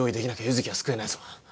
月は救えないぞ